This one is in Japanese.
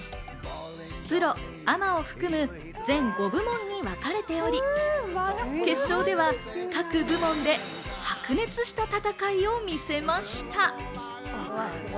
プロ、アマを含む全５部門にわかれており、決勝では各部門で白熱した戦いを見せました。